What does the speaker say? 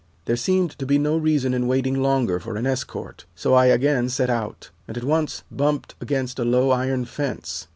There seemed to be no reason in waiting longer for an escort, so I again set out, and at once bumped against a low iron fence.